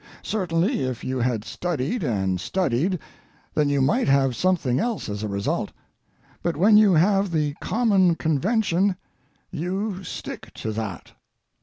Certainly, if you had studied and studied, then you might have something else as a result, but when you have the common convention you stick to that.